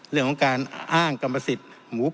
เรื่องของการอ้างกรรมสิทธิ์หมู